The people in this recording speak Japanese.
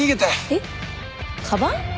えっかばん？